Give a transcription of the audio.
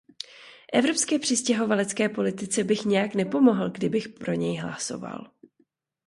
Evropské přistěhovalecké politice bych nijak nepomohl, kdybych pro něj hlasoval.